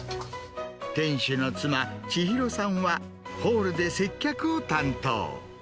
店主の妻、千尋さんはホールで接客を担当。